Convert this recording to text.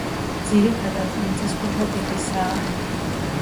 ძირითადად მიწისქვეშა ტიპისაა.